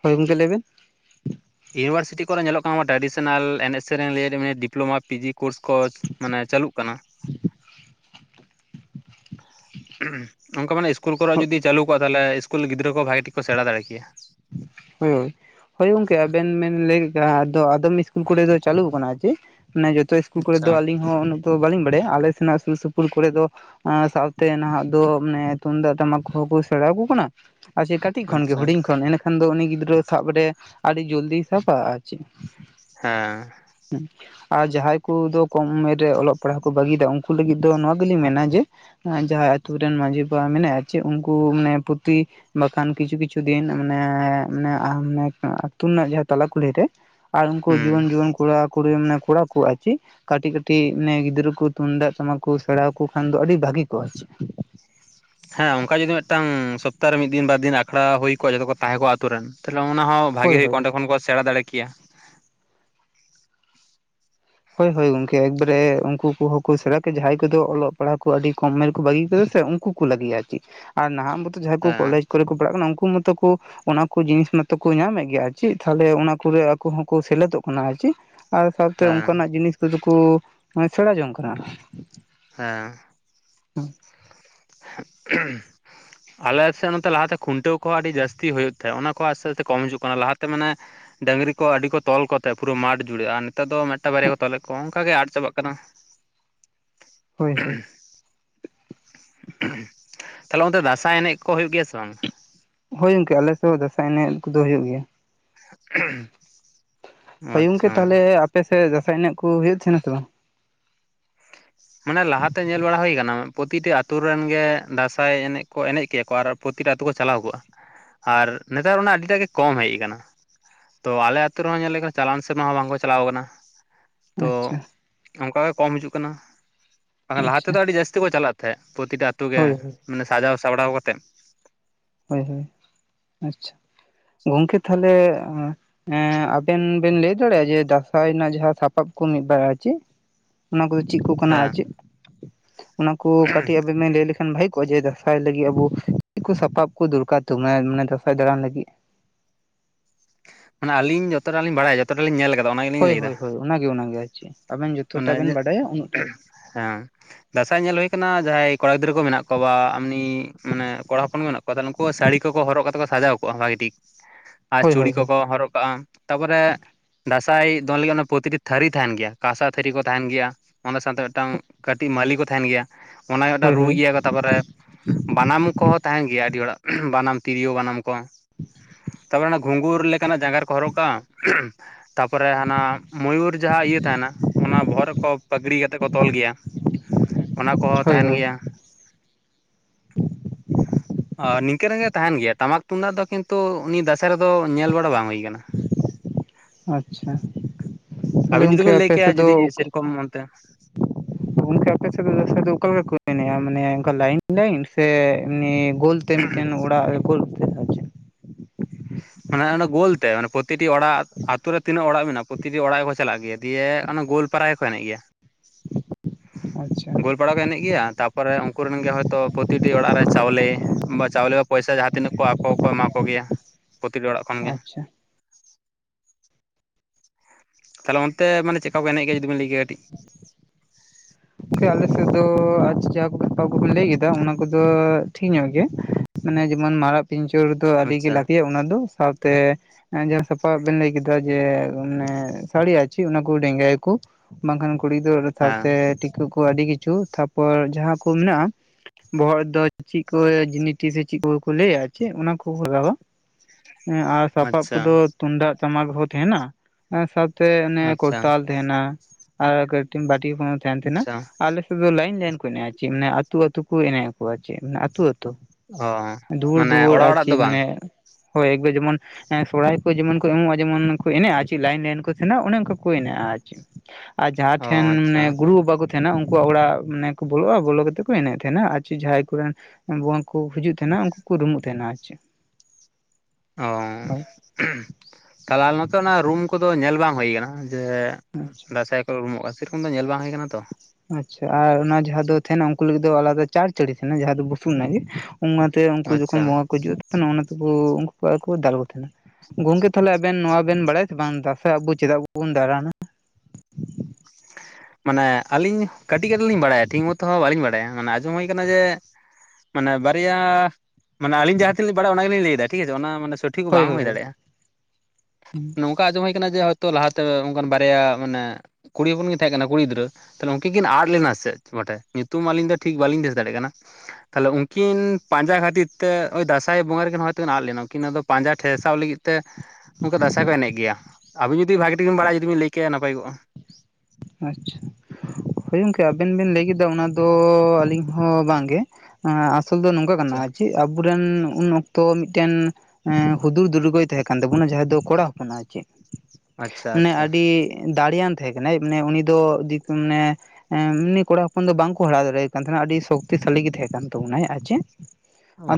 ᱦᱳᱭ ᱜᱚᱝᱠᱮ ᱞᱟᱹᱭ ᱵᱮᱱ ᱤᱭᱩᱱᱤᱵᱷᱟᱨᱥᱤᱴᱤ ᱠᱚᱨᱮ ᱧᱮᱞᱚᱜ ᱠᱟᱱᱟ ᱴᱨᱟᱰᱤᱥᱚᱱᱟᱞ ᱮᱱᱮᱡ ᱥᱮᱨᱮᱧ ᱞᱟᱹᱭ ᱰᱤᱯᱞᱳᱢᱟ ᱯᱤᱡᱤ ᱠᱳᱨᱥ ᱠᱚ ᱢᱟᱱᱮ ᱪᱟᱹᱞᱩᱜ ᱠᱟᱱᱟ᱾ ᱚᱱᱠᱟ ᱢᱟᱱᱮ ᱤᱥᱠᱩᱞ ᱠᱚᱨᱮ ᱦᱚᱸ ᱡᱩᱫᱤ ᱪᱟᱹᱞᱩ ᱠᱚᱜᱼᱟ ᱛᱟᱦᱞᱮ ᱤᱥᱠᱩᱞ ᱜᱤᱫᱽᱨᱟᱹ ᱠᱚ ᱵᱷᱟᱜᱤ ᱴᱷᱤᱠ ᱠᱚ ᱥᱮᱬᱟ ᱫᱟᱲᱮ ᱠᱮᱭᱟ᱾ ᱦᱳᱭ᱾ ᱦᱳᱭ ᱜᱚᱝᱠᱮ ᱟᱵᱮᱱ ᱵᱮᱱ ᱞᱟᱹᱭ ᱞᱮᱠᱟ, ᱟᱫᱚ ᱟᱫᱚᱢ ᱤᱥᱠᱩᱞ ᱠᱚᱨᱮ ᱫᱚ ᱪᱟᱹᱞᱩᱣ ᱠᱟᱱᱟ ᱡᱮ, ᱢᱟᱱᱮ ᱡᱟᱛ ᱡᱚᱛᱚ ᱤᱥᱠᱩᱞ ᱠᱚᱨᱮ ᱟᱪᱪᱷᱟ ᱫᱚ ᱟᱞᱤᱧ ᱦᱚᱸ ᱩᱱᱟᱹᱜ ᱫᱚ ᱵᱟᱹᱞᱤᱧ ᱵᱟᱲᱟᱭᱟ ᱟᱞᱮ ᱥᱮᱱᱟᱜ ᱥᱩᱨ ᱥᱩᱯᱩᱨ ᱠᱚᱨᱮ ᱫᱚ ᱮᱸᱻ ᱥᱟᱶᱛᱮ ᱱᱟᱦᱟᱜ ᱫᱚ ᱢᱟᱱᱮ ᱛᱩᱢᱫᱟᱜ ᱴᱟᱢᱟᱠ ᱠᱚᱦᱚᱸᱠᱚ ᱥᱮᱬᱟᱣᱟᱠᱚ ᱠᱟᱱᱟ᱾ ᱟᱪᱪᱷᱟ ᱠᱟᱹᱴᱤᱡ ᱠᱷᱚᱱ ᱜᱮ, ᱟᱪᱪᱷᱟ ᱦᱩᱰᱤᱧ ᱠᱷᱚᱱ ᱤᱱᱟᱹ ᱠᱷᱟᱱ ᱫᱚ ᱩᱱᱤ ᱜᱤᱫᱽᱨᱟᱹ ᱥᱟᱵᱨᱮ ᱟᱹᱰᱤ ᱡᱚᱞᱫᱤᱭ ᱥᱟᱯᱟ ᱟᱨ ᱪᱮᱫ᱾ ᱦᱮᱸ᱾ [unintelligible] ᱟᱨ ᱡᱟᱦᱟᱸᱭ ᱠᱚᱫᱚ ᱠᱚᱢ ᱩᱢᱮᱨ ᱨᱮ ᱚᱞᱚᱜ ᱯᱟᱲᱦᱟᱜ ᱠᱚ ᱵᱟᱹᱜᱤᱭᱫᱟ ᱩᱱᱠᱩ ᱞᱟᱹᱜᱤᱫ ᱫᱚ ᱱᱚᱣᱟ ᱜᱮᱞᱤᱧ ᱢᱮᱱᱟ ᱡᱮ ᱱᱚᱣᱟ ᱡᱟᱦᱟᱸᱭ ᱟᱛᱩ ᱨᱮᱱ ᱢᱟᱺᱡᱷᱤ ᱵᱟᱵᱟ ᱢᱮᱱᱟᱭᱟ ᱟᱨ ᱪᱮᱫ, ᱩᱱᱠᱩ ᱢᱟᱱᱮ ᱯᱩᱛᱤ ᱵᱟᱠᱷᱟᱱ ᱠᱤᱪᱷᱩ ᱠᱤᱪᱷᱩ ᱫᱤᱱ ᱢᱟᱱᱮ, ᱢᱟᱱᱮ ᱢᱟᱱᱮ ᱟᱛᱩ ᱨᱮᱱᱟᱜ ᱡᱟᱦᱟᱸ ᱛᱟᱞᱟ ᱠᱩᱞᱦᱤ ᱨᱮ ᱟᱨ ᱩᱱᱠᱩ ᱦᱩᱸ ᱡᱩᱣᱟ. ᱱ ᱡᱩᱣᱟᱹᱱ ᱠᱚᱲᱟ ᱠᱩᱲᱤ ᱢᱟᱱᱮ ᱠᱚᱲᱟ ᱠᱚ ᱟᱨ ᱪᱮᱫ᱾ ᱠᱟᱹᱴᱤᱡ ᱠᱟᱹᱴᱤᱡ ᱢᱟᱱᱮ ᱜᱤᱫᱽᱨᱟᱹ ᱠᱚ ᱛᱩᱢᱫᱟᱜ ᱴᱟᱢᱟᱠ ᱠᱚ ᱥᱮᱬᱟᱣᱟᱠᱚ ᱠᱷᱟᱱ ᱫᱚ ᱟᱹᱰᱤ ᱵᱷᱟᱹᱜᱤ ᱠᱚᱜ-ᱟ ᱟᱨ ᱪᱮᱫ᱾ ᱦᱮᱸ ᱚᱱᱠᱟ ᱡᱚᱫᱤ ᱢᱤᱫᱴᱟᱝ ᱥᱚᱯᱛᱟᱦᱚ ᱨᱮ ᱢᱤᱫ ᱫᱤᱱ ᱵᱟᱨ ᱫᱤᱱ ᱟᱠᱷᱟᱲᱟ ᱦᱩᱭ ᱠᱚᱜ-ᱟ ᱡᱚᱛᱚ ᱠᱚ ᱛᱟᱦᱮᱸ ᱠᱚᱜ-ᱟ ᱟᱛᱩ ᱨᱮᱱ᱾ ᱛᱟᱞᱦᱮ ᱚᱱᱟ ᱦᱚᱸ ᱵᱷᱟᱜᱤ ᱦᱳᱭ ᱦᱳᱭ ᱦᱩᱭᱠᱚᱜ-ᱟ ᱚᱸᱰᱮ ᱠᱷᱚᱱ ᱠᱚ ᱥᱮᱬᱟ ᱫᱟᱲᱮ ᱠᱮᱭᱟ᱾ ᱦᱳᱭ ᱦᱳᱭ ᱜᱚᱝᱠᱮ ᱮᱠᱵᱟᱨᱮ ᱩᱱᱠᱩ ᱠᱚᱦᱚᱸᱠᱚ ᱥᱮᱬᱟ ᱠᱮ ᱡᱟᱦᱟᱸᱭ ᱠᱚᱫᱚ ᱚᱞᱚᱜ ᱯᱟᱲᱦᱟᱜ ᱠᱚ ᱟᱹᱰᱤ ᱠᱚᱢ ᱩᱢᱮᱨ ᱨᱮ ᱠᱚ ᱵᱟᱹᱜᱤᱭ ᱠᱟᱫᱟ ᱥᱮ ᱩᱝᱠᱩ ᱠᱚ ᱞᱟᱹᱜᱤᱫ ᱟᱨ ᱪᱮᱫ, ᱟᱨ ᱱᱟᱦᱟᱜ ᱢᱚᱛᱚ ᱡᱟᱦᱟᱸᱭ ᱠᱚ ᱦᱮᱸ ᱠᱚᱞᱮᱡᱽ ᱠᱚᱨᱮ ᱠᱚ ᱯᱟᱲᱦᱟᱜ ᱠᱟᱱᱟ ᱩᱝᱠᱩ ᱢᱚᱛᱚ ᱠᱚ ᱚᱱᱟᱠᱚ ᱡᱤᱱᱤᱥ ᱢᱟᱛᱚ ᱠᱚ ᱧᱟᱢᱮᱫ ᱜᱮᱭᱟ ᱟᱨ ᱪᱮᱫ ᱛᱟᱦᱞᱮ ᱚᱱᱟᱠᱨᱮ ᱟᱠᱚ ᱦᱚᱸᱠᱚ ᱥᱮᱞᱮᱫᱚᱜ ᱠᱟᱱᱟ ᱟᱨ ᱪᱮᱫ᱾ ᱟᱨ ᱥᱟᱶᱛᱮ ᱦᱮᱸ ᱚᱱᱠᱟᱱᱟᱜ ᱡᱤᱱᱤᱥ ᱠᱚᱫᱚ ᱠᱚ ᱥᱮᱬᱟ ᱡᱚᱝ ᱠᱟᱱᱟ᱾ ᱦᱮᱸ᱾ [inaudible] ᱟᱞᱮ ᱥᱮᱫ ᱱᱚᱛᱮ ᱞᱟᱦᱟᱛᱮ ᱠᱷᱩᱱᱴᱟᱹᱣ ᱠᱚᱦᱚᱸ ᱟᱹᱰᱤ ᱡᱟᱹᱥᱛᱤ ᱦᱩᱭᱩᱜ ᱛᱟᱸᱦᱮᱜ, ᱚᱱᱟ ᱠᱚ ᱟᱥᱛᱮ ᱟᱥᱛᱮ ᱠᱚᱢ ᱦᱤᱡᱩᱜ ᱠᱟᱱᱟ ᱞᱟᱦᱟᱛᱮ ᱢᱟᱱᱮ ᱰᱟᱹᱝᱨᱤ ᱠᱚ ᱟᱹᱰᱤ ᱠᱚ ᱛᱚᱞ ᱠᱚ ᱠᱚᱛᱮ ᱯᱩᱨᱟᱹ ᱢᱟᱴ ᱡᱩᱲᱮ, ᱟᱨ ᱱᱮ ᱱᱮᱛᱟᱨ ᱫᱚ ᱢᱮᱫᱴᱟ ᱵᱟᱨᱭᱟ ᱠᱚ ᱛᱚᱞᱮᱜ ᱠᱚ, ᱚᱝᱠᱟ ᱜᱮ ᱟᱫ ᱪᱟᱵᱟᱜ ᱠᱟᱱᱟ᱾ ᱦᱳᱭ ᱦᱳᱭ᱾ ᱛᱟᱦᱞᱮ ᱚᱱᱛᱮ ᱫᱟᱸᱥᱟᱭ ᱮᱱᱮᱡ ᱠᱚ ᱦᱩᱭᱩᱜ ᱜᱮᱭᱟ ᱥᱮ ᱵᱟᱝ? ᱦᱳᱭ ᱜᱚᱝᱠᱮ ᱟᱞᱮ ᱥᱮᱫ ᱫᱟᱥᱟᱸᱭ ᱮᱱᱮᱡ ᱠᱚᱫᱚ ᱦᱩᱭᱩᱜ ᱜᱮᱭᱟ᱾ [inaudible] ᱦᱳᱭ ᱜᱚᱝᱠᱮ ᱟᱪᱪᱷᱟ ᱛᱟᱦᱞᱮ ᱟᱯᱮ ᱥᱮᱫ ᱫᱟᱸᱥᱟᱭ ᱮᱱᱮᱡ ᱠᱚ ᱦᱩᱭᱩᱜ ᱛᱟᱸᱦᱮᱱᱟ ᱥᱮ ᱵᱟᱝ? ᱢᱟᱱᱮ ᱞᱟᱦᱟᱛᱮ ᱧᱮᱞ ᱵᱟᱲᱟ ᱦᱩᱭ ᱠᱟᱱᱟ᱾ ᱯᱨᱚᱛᱤᱴᱤ ᱟᱛᱳ ᱨᱮᱱ ᱜᱮ ᱫᱟᱸᱥᱟᱭ ᱮᱱᱮᱡ ᱠᱚ ᱮᱱᱮᱡ ᱠᱮᱭᱟ ᱠᱚ ᱟᱨ ᱯᱨᱚᱛᱤᱴᱤ ᱟᱛᱳ ᱠᱚ ᱪᱟᱞᱟᱣ ᱠᱚᱜ-ᱟ᱾ ᱟᱨ ᱱᱮᱛᱟᱨ ᱚᱱᱟ ᱟᱹᱰᱤᱴᱟᱜ ᱜᱮ ᱠᱚᱢ ᱦᱮᱡ ᱠᱟᱱᱟ᱾ ᱛᱚ ᱟᱞᱮ ᱟᱛᱳ ᱨᱮᱦᱚᱸ ᱧᱮᱞ ᱞᱮᱠᱷᱟᱱ ᱪᱟᱞᱟᱣᱮᱱ ᱥᱮᱨᱢᱟ ᱦᱚᱸ ᱵᱟᱝᱠᱚ ᱪᱟᱞᱟᱣ ᱠᱟᱱᱟ᱾ ᱛᱚ ᱟᱪᱪᱷᱟ ᱚᱝᱠᱟ ᱜᱮ ᱠᱚᱢ ᱦᱤᱡᱩᱜ ᱠᱟᱱᱟ, ᱵᱟᱠᱷᱟᱱ ᱞᱟᱦᱟ ᱟᱪᱪᱷᱟ ᱛᱮᱫᱚ ᱟᱹᱰᱤ ᱡᱟᱥ ᱛᱮᱠᱚ ᱪᱟᱞᱟᱜ ᱛᱟᱦᱮᱸᱜ ᱯᱨᱚᱛᱤᱴᱤ ᱟᱛᱳ ᱜᱮ, ᱦᱳᱭ ᱦᱳᱭ ᱢᱟᱱᱮ ᱥᱟᱡᱟᱣ ᱥᱟᱯᱲᱟᱣ ᱠᱟᱛᱮᱫ᱾ ᱦᱳᱭ ᱦᱳᱭ ᱟᱪᱪᱷᱟ, ᱜᱚᱝᱠᱮ ᱛᱟᱦᱞᱮ ᱮᱸᱻ ᱟᱵᱮᱱ ᱵᱮᱱ ᱞᱟᱹᱭ ᱫᱟᱲᱮᱭᱟᱜ-ᱟ ᱡᱮ ᱫᱟᱸᱥᱟᱭ ᱨᱮᱱᱟᱜ ᱡᱟᱦᱟᱸ ᱥᱟᱯᱟᱵ ᱠᱚ ᱢᱤᱫ-ᱵᱟᱨ ᱟᱨ ᱪᱮᱫ? ᱚᱱᱟ ᱠᱚᱫᱚ ᱪᱮᱫ ᱠᱚ ᱠᱟᱱᱟ ᱦᱮᱸ ᱟᱨ ᱪᱮᱫ? ᱚᱱᱟᱠᱩ ᱠᱟᱹᱴᱤᱡ ᱟᱵᱮᱱ ᱵᱮᱱ ᱞᱟᱹᱭ ᱞᱮᱠᱷᱟᱱ ᱵᱷᱟᱜᱤ ᱠᱚ ᱡᱮ, ᱫᱟᱸᱥᱟᱭ ᱞᱟᱹᱜᱤᱫ ᱟᱵᱚ ᱪᱮᱫ ᱠᱚ ᱥᱟᱯᱟᱵ ᱠᱚ ᱫᱚᱨᱠᱟᱨ ᱛᱟᱵᱚᱱᱟ ᱢᱟᱱᱮ ᱫᱟᱸᱥᱟᱭ ᱫᱟᱬᱟᱱ ᱞᱟᱹᱜᱤᱫ? ᱢᱟᱱᱮ ᱟᱞᱤᱧ ᱡᱚᱛᱚᱴᱟ ᱞᱤᱧ ᱵᱟᱲᱟᱭᱟ, ᱡᱚᱛᱚᱴᱟ ᱞᱤ ᱧᱮᱞ ᱠᱟᱫᱟ ᱚᱱᱟ ᱜᱮᱞᱤᱧ ᱦᱳᱭ ᱞᱟᱹᱭᱫᱟ᱾ ᱦᱳᱭ ᱦᱳᱭ ᱚᱱᱟᱜᱮ ᱚᱱᱟᱜᱮ ᱟᱨ ᱪᱮᱫ, ᱟᱵᱮᱱ ᱡᱚᱛᱚᱴᱟ ᱵᱮᱱ ᱵᱟᱰᱟᱭᱟ ᱩᱱᱟᱹᱜᱴᱟ ᱜᱮ᱾ ᱦᱮᱸ᱾ ᱫᱟᱸᱟᱭ ᱧᱮᱞ ᱦᱩᱭ ᱠᱟᱱᱟ ᱡᱟᱦᱟᱸᱭ ᱠᱚᱲᱟ ᱜᱤᱫᱽᱨᱟᱹ ᱠᱚ ᱢᱮᱱᱟᱜ ᱠᱚᱣᱟ ᱵᱟ ᱮᱢᱱᱤ ᱢᱟᱱᱮ ᱠᱚᱲᱟ ᱦᱚᱯᱚᱱ ᱜᱮ ᱢᱮᱱᱟᱜ ᱠᱚᱣᱟ ᱠᱚᱛᱟ, ᱩᱱᱠᱩ ᱦᱚᱸ ᱥᱟᱹᱲᱤ ᱠᱚᱠᱚ ᱦᱚᱨᱚᱜ ᱠᱟᱛᱮ ᱠᱚ ᱥᱟᱡᱟᱣ ᱠᱚᱜ-ᱟ ᱵᱷᱟᱜᱮ ᱴᱷᱤᱠ᱾ [inaudible] ᱟᱨ ᱪᱩᱲᱤ ᱦᱳᱭ ᱠᱚᱠᱚ ᱦᱚᱨᱚᱜ ᱠᱟᱜ-ᱟ ᱛᱟᱯᱚᱨᱮ ᱫᱟᱸᱥᱭ ᱫᱚᱱ ᱞᱟᱹᱜᱤᱫ ᱚᱱᱟ ᱯᱨᱚᱛᱤᱴᱤ ᱛᱷᱟᱹᱨᱤ ᱛᱟᱦᱮᱱ ᱜᱮᱭᱟ᱾ ᱠᱟᱸᱥᱟ ᱛᱷᱟᱹᱨᱤ ᱠᱚ ᱛᱟᱦᱮᱱ ᱜᱮᱭᱟ ᱚᱱᱟ ᱥᱟᱶᱛᱮ ᱢᱮᱜᱴᱟᱝ ᱠᱟᱹᱴᱤᱡ ᱢᱟᱹᱞᱤ ᱠᱚ ᱛᱟᱦᱮᱱ ᱜᱮᱭᱟ᱾ ᱚᱱᱟ ᱜᱮ ᱢᱮᱜᱴᱟᱝ ᱦᱳᱭ ᱨᱩᱭ ᱦᱳᱭ ᱜᱮᱭᱟ ᱠᱚ ᱛᱟᱨᱯᱚᱨᱮ ᱵᱟᱱᱟᱢ ᱠᱚᱦᱚᱸ ᱛᱟᱦᱮᱱ ᱜᱮᱭᱟ ᱟᱹᱰᱤ ᱦᱚᱲᱟᱜ ᱵᱟᱱᱟᱢ ᱛᱤᱨᱭᱳ ᱵᱟᱱᱟᱢ ᱠᱚ ᱛᱯᱚᱨᱮ ᱚᱱᱟ ᱜᱷᱩᱜᱩᱨ ᱞᱮᱠᱟᱱᱟᱜ ᱡᱟᱸᱜᱟ ᱨᱮᱠᱚ ᱦᱚᱨᱚᱜ ᱠᱟᱜ-ᱟ ᱛᱟᱯᱚᱨᱮ ᱦᱟᱱᱟ ᱢᱚᱭᱩᱨ ᱡᱟᱦᱟᱸ ᱤᱭᱟᱹ ᱛᱟᱦᱮᱱᱟ ᱚᱱᱟ ᱵᱚᱦᱚᱜ ᱨᱮᱠᱚ ᱯᱟᱜᱽᱲᱤ ᱠᱟᱛᱮᱜ ᱠᱚ ᱛᱚᱞ ᱜᱮᱭᱟ ᱚᱱᱟ ᱠᱚᱦᱚᱸ ᱦᱳᱭ ᱛᱟᱦᱮᱱ ᱦᱳᱭ ᱜᱮᱭᱟ᱾ ᱱᱤᱝᱠᱟᱹᱱᱟᱜ ᱜᱮ ᱛᱟᱦᱮᱱ ᱜᱮᱭᱟ ᱴᱟᱢᱟᱠ ᱛᱩᱢᱫᱟᱜ ᱫᱚ ᱠᱤᱱᱛᱩ ᱩᱱᱤ ᱫᱟᱥᱟᱭ ᱨᱮᱫᱚ ᱧᱮᱞ ᱵᱟᱲᱟ ᱵᱟᱝ ᱦᱩᱭ ᱠᱟᱱᱟ᱾ ᱟᱪᱪᱷᱟ ᱛᱟᱦᱚᱞᱮ ᱟᱹᱵᱤᱱ ᱡᱩᱫᱤ ᱜᱚᱝᱠᱮ ᱵᱤᱱ ᱞᱟᱹᱭ ᱟᱯᱮ ᱥᱮᱫ ᱠᱮᱭᱟ ᱫᱚ ᱡᱩᱫᱤ ᱥᱮᱨᱚᱠᱚᱢ ᱚᱱᱛᱮ ᱜᱚᱝᱠᱮ ᱟᱯᱮ ᱥᱮᱫ ᱫᱚ ᱫᱟᱥᱟᱭ ᱚᱠᱟ ᱞᱮᱠᱟ ᱠᱚ ᱮᱱᱮᱡᱽ-ᱟ ᱢᱟᱱᱮ ᱚᱱᱠᱟ ᱞᱟᱭᱤᱱ ᱞᱟᱭᱤᱱ ᱥᱮ ᱮᱢᱱᱤ ᱜᱳᱞ ᱛᱮ ᱢᱤᱫᱴᱮᱱ ᱚᱲᱟᱜ ᱨᱮ ᱜᱳᱞ ᱛᱮ ᱢᱟᱱᱮ ᱚᱱᱟ ᱜᱳᱞ ᱛᱮ ᱢᱟᱱᱮ ᱯᱨᱚᱛᱤᱴᱤ ᱚᱲᱟᱜ ᱟᱛᱳ ᱨᱮ ᱛᱤᱱᱟᱹᱜ ᱚᱲᱟᱜ ᱢᱮᱱᱟᱜ-ᱟ ᱯᱨᱚᱛᱤᱴᱤ ᱚᱲᱟᱜ ᱜᱮᱠᱚ ᱪᱟᱞᱟᱜ ᱜᱮᱭᱟ, ᱫᱤᱭᱮ ᱚᱱᱮ ᱜᱳᱞᱯᱟᱨᱟ ᱜᱮᱠᱚ ᱮᱱᱮᱡ ᱜᱮᱭᱟ᱾ ᱟᱪᱪᱷᱟ ᱵᱟᱲᱟ ᱠᱚ ᱮᱱᱮᱡ ᱜᱮᱭᱟ ᱛᱟᱯᱚᱨᱮ ᱩᱱᱠ ᱨᱮᱱ ᱜᱮ ᱦᱳᱭᱛᱚ ᱯᱨᱚᱛᱤᱴᱤ ᱚᱲᱟᱜ ᱨᱮ ᱪᱟᱣᱞᱮ ᱵᱟ ᱪᱟᱣᱞᱮ ᱵᱟ ᱯᱚᱭᱥᱟ ᱡᱟᱦᱟᱸ ᱛᱤᱱᱟᱹᱜ ᱠᱚ ᱟᱠᱚ ᱠᱚ ᱮᱢᱟ ᱠᱚ ᱜᱮᱭᱟ ᱯᱨᱚᱛᱤᱴᱤ ᱚᱲᱟᱜ ᱠᱷᱚᱱ ᱜᱮ᱾ ᱟᱪᱪᱷᱟ ᱛᱟᱦᱞᱮ ᱚᱱᱛᱮ ᱢᱟᱱᱮ ᱪᱮᱫ ᱠᱟ ᱠᱚ ᱮᱱᱮᱡ ᱜᱮᱭᱟ ᱡᱩᱫᱤ ᱵᱮᱱ ᱞᱟᱹᱭ ᱠᱮᱭᱟ ᱠᱟᱴᱤᱡ? ᱜᱚᱝᱠᱮ ᱟᱞᱮ ᱥᱮᱜ ᱫᱚ ᱡᱟᱦᱟᱸ ᱠᱚ ᱠᱚᱵᱮᱱ ᱞᱟᱹᱭ ᱠᱮᱫᱟ ᱚᱱᱟ ᱠᱚᱫᱚ ᱴᱷᱤᱠ ᱧᱚᱜ ᱜᱮ ᱢᱟᱱᱮ ᱡᱮᱢᱚᱱ ᱢᱟᱨᱟᱜ ᱯᱤᱧᱪᱟᱹᱨ ᱫᱚ ᱟᱹᱰᱤᱜᱤ ᱟᱪᱪᱷᱟ ᱞᱟᱹᱠᱛᱜᱤᱭᱟ ᱚᱱᱟ ᱫᱚ ᱥᱟᱵ ᱛᱮ ᱡᱟᱸᱦᱟ ᱥᱟᱯᱟᱵ ᱵᱮᱱ ᱞᱟᱹᱭ ᱠᱮᱫᱟ ᱡᱮ ᱢᱟᱱᱮ ᱥᱟᱲᱤ ᱟᱨ ᱪᱤᱫ ᱚᱱᱟ ᱠᱚ ᱰᱮᱜᱟᱭ ᱠᱚ ᱵᱟᱝᱠᱷᱟᱱ ᱠᱩᱲᱤ ᱜᱤᱫᱽᱨᱟᱹ ᱦᱮᱸ ᱛᱷᱟᱶᱛᱮ ᱴᱤᱠᱟᱹᱜ ᱠᱚ ᱟᱹᱰᱤ ᱠᱤᱪᱷᱩ ᱛᱟᱯᱚᱨ ᱡᱟᱦᱟᱸ ᱠᱚ ᱢᱮᱱᱟᱜ-ᱟ, ᱵᱚᱦᱚᱜ ᱨᱮᱫᱚ ᱪᱮᱫ ᱠᱚ ᱡᱤᱱᱤᱴᱤ ᱥᱮ ᱪᱮᱫ ᱠᱚ ᱵᱟᱠᱚ ᱞᱟᱹᱭᱟ ᱪᱮᱫ ᱚᱱᱟᱠᱚ ᱞᱟᱜᱟᱣᱟ᱾ ᱦᱮ ᱟᱨ ᱥᱟᱯᱟᱵ ᱟᱪᱪᱷᱟ ᱠᱚᱫᱚ ᱛᱩᱝᱫᱟᱜ ᱴᱟᱢᱟᱠ ᱦᱚᱸ ᱛᱮᱦᱮᱸᱱᱟ ᱥᱟᱶᱛᱮ ᱚᱱᱮ ᱟᱪᱪᱷᱟ ᱠᱚᱨᱛᱟᱞ ᱛᱮᱦᱮᱱᱟ ᱟᱨ ᱠᱟᱹᱴᱤᱱ ᱵᱟᱴᱤ ᱦᱚᱯᱚᱱ ᱦᱚᱸ ᱛᱟᱦᱮᱱ ᱛᱷᱮᱸᱱᱟ, ᱟᱪᱪᱷᱟ ᱟᱞᱮᱥᱮᱫ ᱫᱚ ᱞᱟᱭᱤᱱ ᱞᱟᱭᱤᱱ ᱠᱚ ᱮᱱᱮᱡ-ᱟ ᱪᱮᱫ ᱢᱟᱱᱮ ᱟᱹᱛᱩ ᱟᱹᱛᱩ ᱠᱚ ᱮᱱᱮᱡ ᱟᱠᱚ ᱟᱨ ᱪᱮᱫ ᱢᱟᱱᱮ ᱟᱹᱛᱩ ᱟᱹᱛᱩ᱾ ᱚ ᱫᱩᱣᱟᱹᱨ ᱢᱟᱱᱮ ᱫᱩᱣᱟᱹᱨ ᱚᱲᱟᱜ ᱟᱨ ᱚᱲᱟᱜ ᱫᱚ ᱪᱮᱫ ᱵᱟᱝ ᱢᱟᱱᱮ ᱦᱳᱭ ᱮᱠᱵᱟᱨᱮ ᱡᱮᱢᱚᱱ, ᱦᱮᱸ ᱥᱚᱨᱦᱟᱭ ᱠᱚ ᱡᱮᱢᱚᱱ ᱠᱚ ᱮᱢᱚᱜ-ᱟ ᱡᱮᱢᱚᱱ ᱠᱚ ᱮᱱᱮᱡ-ᱟ ᱪᱮᱫ ᱞᱟᱭᱤᱱ ᱞᱟᱭᱤᱱ ᱠᱚ ᱛᱷᱮᱱᱟ ᱚᱱᱮ ᱚᱱᱠᱟ ᱠᱚ ᱮᱱᱮᱡ-ᱟ ᱟᱨ ᱪᱮᱫ᱾ ᱟᱨ ᱡᱟᱦᱟᱸ ᱚ ᱴᱷᱮᱱ ᱟᱪᱪᱷᱟ ᱢᱟᱱᱮ ᱜᱩᱨᱩ ᱵᱟᱵᱟ ᱠᱚ ᱛᱷᱮᱱᱟ ᱩᱱᱠᱩᱣᱟᱜ ᱚᱲᱟᱜ ᱢᱟᱱᱮ ᱠᱚ ᱵᱚᱞᱚᱜ-ᱟ ᱵᱚᱞᱚ ᱠᱟᱛᱮᱫ ᱠᱚ ᱮᱱᱮᱡ ᱛᱷᱟᱮᱸᱱᱟ ᱟᱨ ᱪᱮᱫ ᱡᱟᱦᱟᱸᱭ ᱠᱚᱨᱮᱱ ᱵᱚᱸᱜᱟ ᱠᱚ ᱦᱤᱡᱩᱜ ᱛᱷᱮᱱᱟ ᱩᱱᱠᱩ ᱠᱚ ᱨᱩᱢᱩᱜ ᱛᱷᱮᱸᱱᱟ ᱟᱨ ᱪᱮᱫ᱾ ᱚ ᱦᱳᱭ ᱛᱟᱦᱞᱮ ᱟᱞᱮ ᱱᱚᱛᱮ ᱚᱱᱟ ᱨᱩᱢ ᱠᱚᱫᱚ ᱧᱮᱞ ᱵᱟᱝ ᱦᱩᱭ ᱠᱟᱱᱟ ᱡᱮ ᱟᱪᱪᱷᱟ ᱫᱟᱸᱥᱟᱭ ᱠᱚ ᱩᱨᱩᱢᱚᱜ-ᱟ ᱥᱮᱨᱚᱠᱚᱢ ᱫᱚ ᱧᱮᱞ ᱵᱟᱝ ᱦᱩᱭ ᱠᱟᱱᱟ ᱛᱚ᱾ ᱟᱪᱪᱷᱟ ᱟᱨ ᱚᱱᱟ ᱡᱟᱦᱟᱸ ᱫᱚ ᱛᱷᱮᱱᱟ ᱩᱱᱠᱩ ᱞᱟᱹᱜᱤᱫ ᱫᱚ ᱟᱞᱟᱫᱟ ᱪᱟᱨ ᱪᱟᱹᱲᱤ ᱛᱟᱦᱮᱱᱟ ᱡᱟᱦᱟᱸ ᱫᱚ ᱵᱩᱥᱩᱵ ᱨᱮᱱᱟᱜ ᱜᱮ, ᱚᱱᱟᱛᱮ ᱩᱱᱠᱩ ᱡᱚᱠᱷᱚᱱ ᱟᱪᱪᱷᱟ ᱵᱚᱸᱜᱟ ᱠᱚ ᱦᱤᱡᱩᱜ ᱛᱟᱦᱮᱱᱟ ᱚᱱᱟᱛᱮ ᱠᱩ ᱩᱱᱠᱩ ᱠᱚᱣᱟᱜ ᱟᱨ ᱠᱚ ᱫᱟᱞ ᱠᱚ ᱛᱟᱦᱮᱱᱟ᱾ ᱜᱚᱝᱠᱮ ᱛᱟᱦᱞᱮ ᱟᱵᱮᱱ ᱱᱚᱣᱟ ᱵᱮᱱ ᱵᱟᱲᱟᱭ ᱥᱮ ᱵᱟᱝ ᱫᱟᱥᱟᱭ ᱟᱵᱚ ᱪᱮᱫᱟᱜ ᱵᱩᱱ ᱫᱟᱬᱟᱱᱟ? [inaudible] ᱢᱟᱱᱮ ᱟᱹᱞᱤᱧ ᱠᱟᱹᱴᱤᱡ ᱠᱟᱹᱴᱤᱡ ᱞᱤᱧ ᱵᱟᱲᱟᱭᱟ ᱴᱷᱤᱠ ᱢᱚᱛᱚ ᱦᱚᱸ ᱵᱟᱹᱞᱤᱧ ᱵᱟᱲᱟᱭᱟ ᱢᱟᱱᱮ ᱟᱸᱡᱚᱢ ᱦᱩᱭ ᱠᱟᱱᱟ ᱡᱮ ᱢᱟᱱᱮ ᱵᱟᱨᱭᱟ ᱢᱟᱱᱮ ᱟᱞᱤᱧ ᱡᱟᱦᱟᱸ ᱛᱤᱱᱟᱜ ᱞᱤᱧ ᱵᱟᱲᱟᱭᱟ ᱚᱱᱟ ᱜᱮᱞᱤᱧ ᱞᱟᱹᱭᱫᱟ ᱴᱷᱤᱠ ᱟᱪᱷᱮ ᱚᱱᱟ ᱢᱟᱱᱮ ᱥᱚ ᱴᱷᱤᱠ ᱦᱳᱭ ᱵᱟᱝ ᱦᱳᱭ ᱦᱩᱭ ᱦᱳᱭ ᱫᱟᱲᱮᱜ-ᱟ ᱱᱚ ᱠᱟ ᱟᱸᱡᱚᱢ ᱦᱩᱭ ᱠᱟᱱᱟ ᱡᱮ ᱦᱳᱭᱛᱚ ᱞᱟᱦᱟᱛᱮ ᱚᱱᱠᱟᱱ ᱵᱟᱨᱭᱟ ᱢᱟᱱᱮ ᱠᱩᱲᱤ ᱦᱚᱯᱚᱱ ᱠᱤᱱ ᱛᱟᱦᱮᱸᱜ ᱠᱟᱱᱟ ᱠᱩᱲᱤ ᱜᱤᱫᱽᱨᱟᱹ ᱛᱟᱦᱞᱮ ᱩᱱᱠᱤᱱ ᱠᱤᱱ ᱟᱫᱽ ᱞᱮᱱᱟ ᱥᱮᱪᱮᱫ ᱵᱚᱴᱷᱮ ᱧᱩᱛᱩᱢ ᱟᱹᱞᱤᱧ ᱫᱚ ᱴᱷᱤᱠ ᱵᱟᱞᱤᱧ ᱝᱤᱥᱟᱹ ᱫᱟᱲᱮᱜ ᱠᱟᱱᱟ, ᱛᱷᱟᱞᱮ ᱩᱝᱠᱤᱱ ᱯᱟᱸᱡᱟ ᱠᱷᱟᱹᱛᱤᱨ ᱛᱮ ᱳᱭ ᱫᱟᱸᱥᱟᱭ ᱵᱚᱸᱜᱟ ᱨᱮᱠᱤᱱ ᱦᱚᱭ ᱛᱚ ᱠᱤᱱ ᱟᱫᱽ ᱞᱮᱱᱟ ᱩᱱᱠᱤᱱ ᱟᱫᱚ ᱯᱟᱸᱡᱟ ᱴᱷᱮᱥᱟᱣ ᱞᱟᱹᱜᱤᱫ ᱛᱮ ᱚᱱᱠᱟ ᱫᱟᱸᱥᱟᱭ ᱠᱚ ᱮᱱᱮᱡ ᱜᱮᱭᱟ, ᱟᱵᱤᱱ ᱡᱩᱫᱤ ᱵᱷᱟᱜᱤ ᱴᱷᱤᱠ ᱵᱤᱱ ᱵᱟᱲᱟᱭᱟ ᱡᱩᱫᱤ ᱵᱤᱱ ᱞᱟᱹᱭ ᱠᱮᱭᱟ ᱱᱟᱯᱟᱭ ᱠᱚᱜ-ᱟ᱾ ᱟᱪᱪᱷᱟ ᱦᱳᱭ ᱜᱚᱝᱠᱮ ᱟᱵᱮᱱ ᱵᱮᱱ ᱞᱟᱹᱭ ᱠᱮᱫᱟ ᱚᱱᱟ ᱫᱚ ᱟᱞᱤᱧ ᱦᱚᱸ ᱵᱟᱝᱜᱮ ᱟᱥᱚᱞ ᱫᱚ ᱱᱚᱝ ᱠᱟᱱᱟ ᱪᱤᱜ ᱟᱵᱩ ᱨᱮᱱ ᱩᱱ ᱚᱠᱛᱚ ᱢᱤᱫᱴᱮᱱᱼᱼ ᱦᱩᱸ ᱦᱩᱫᱩᱲ ᱫᱩᱨᱜᱟᱹᱭ ᱛᱟᱦᱮᱸ ᱠᱟᱱ ᱛᱟᱵᱚᱱᱟ ᱡᱟᱦᱟᱸᱭ ᱫᱚ ᱠᱚᱲᱟ ᱦᱚᱯᱚᱱᱟᱜ ᱟᱨ ᱪᱮᱜ᱾ ᱟᱪᱪᱷᱟ ᱢᱟᱱᱮ ᱟᱪᱪᱷᱟ ᱟᱰᱤ ᱫᱟᱲᱮᱭᱟᱱ ᱛᱮᱦᱮᱸ ᱠᱟᱱᱟᱭ ᱢᱟᱱᱮ ᱩᱱᱤ ᱫᱚ ‌ᱫᱤᱠ ‌ᱢᱟᱱᱮ ᱮᱸ ᱩᱱᱤ ᱠᱚᱲᱟ ᱦᱚᱯᱚᱱ ᱫᱚ ᱵᱟᱝ ᱠᱚ ᱦᱟᱲᱟᱹᱣ ᱫᱟᱲᱮᱭ ᱠᱟᱱ ᱛᱮᱦᱮᱸᱱᱟ ᱟᱹᱰᱤ ᱥᱚᱠᱛᱤ ᱥᱟᱞᱤ ᱜᱮ ᱛᱟᱦᱮᱸ ᱠᱟᱱ ᱛᱟᱹᱵᱩ ᱱᱟᱭ ᱟᱨ ᱪᱮᱜ᱾ ᱚ